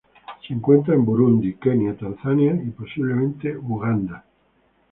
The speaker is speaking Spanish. Se encuentra en Burundi, Kenia Tanzania y posiblemente, Uganda.